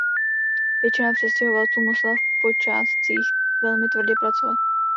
Většina přistěhovalců musela v počátcích velmi tvrdě pracovat.